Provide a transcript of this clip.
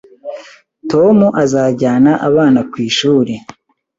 Tom azajyana abana ku ishuri.